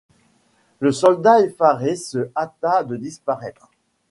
Le soldat effaré se hâta de disparaître.